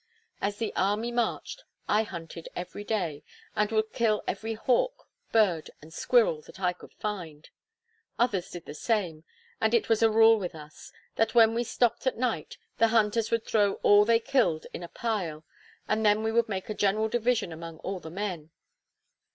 As the army marched, I hunted every day, and would kill every hawk, bird, and squirrel that I could find. Others did the same; and it was a rule with us, that when we stop'd at night, the hunters would throw all they killed in a pile, and then we would make a general division among all the men.